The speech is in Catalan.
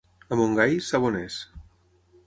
A Montgai, saboners.